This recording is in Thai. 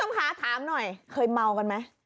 ต้องค้าถามหน่อยเคยเมากันไหม